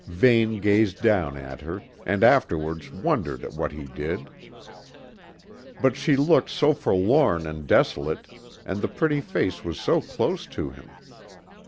Vane gazed down at her, and afterwards wondered at what he did; but she looked so forlorn and desolate, and the pretty face was so close to him.